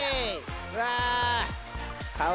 うわ。